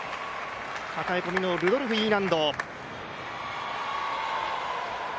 抱え込みのルドルフ、Ｅ難度。